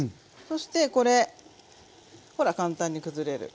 そしてこれほら簡単にくずれる。